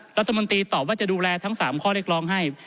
รัฐมนตรีตอบว่าจะดูแลทั้ง๓ข้อเรียกร้องให้